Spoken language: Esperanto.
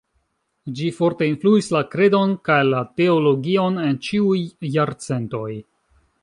Ĝi forte influis la kredon kaj la teologion en ĉiuj jarcentoj.